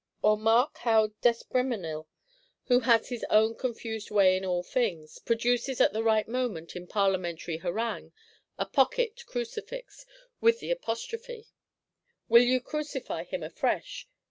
Or mark how D'Espréménil, who has his own confused way in all things, produces at the right moment in Parlementary harangue, a pocket Crucifix, with the apostrophe: 'Will ye crucify him afresh?